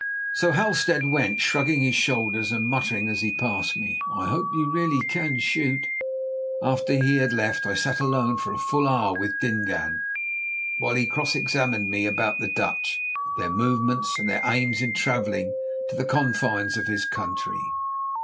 So Halstead went, shrugging his shoulders and muttering as he passed me: "I hope you really can shoot." After he had left I sat alone for a full hour with Dingaan while he cross examined me about the Dutch, their movements and their aims in travelling to the confines of his country.